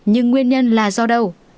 nhưng nguyên nhân là do đâu